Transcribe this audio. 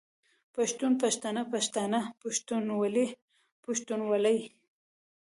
پښتون، پښتنه، پښتانه، پښتونولي، پښتونولۍ